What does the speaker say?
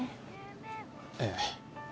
ええ。